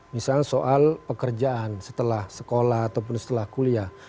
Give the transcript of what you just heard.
misalnya soal pekerjaan setelah sekolah ataupun setelah kuliah